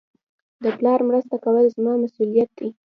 د پلار مرسته کول زما مسئولیت دئ.